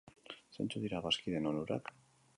Zeintzuk dira bazkideen onurak?